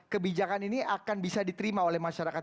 kebijakan ini akan bisa diterima oleh masyarakat